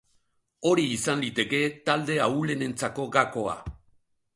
Hori izan liteke talde ahulenentzako gakoa.